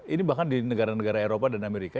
ini bahkan di negara negara eropa dan amerika